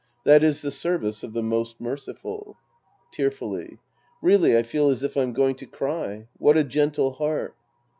That is the semce of the Most Merciful. {Tearfully.) Really I feel as if I'm going to cry. What a gentle heart